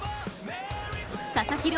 佐々木朗